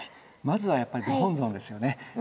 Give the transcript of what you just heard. まずはやっぱりご本尊ですよね。